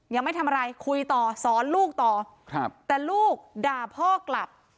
ยังไม่ทำอะไรคุยต่อสอนลูกต่อครับแต่ลูกด่าพ่อกลับ